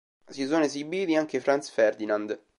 Si sono esibiti anche i Franz Ferdinand.